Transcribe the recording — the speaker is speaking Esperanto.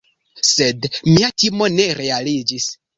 Sed mia timo ne realiĝis.